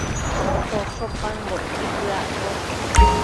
tosho paëmbocquid bëaccosh